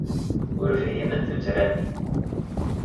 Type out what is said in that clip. Ur fhimen tuttra-nni.